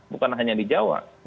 bukan hanya di jawa